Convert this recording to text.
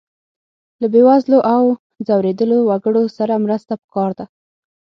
له بې وزلو او ځورېدلو وګړو سره مرسته پکار ده.